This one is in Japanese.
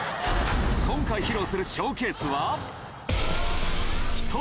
今回披露するショーケースは、瞳。